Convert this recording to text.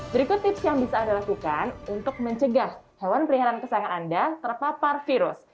berikut tips yang bisa anda lakukan untuk mencegah hewan peliharaan kesayangan anda terpapar virus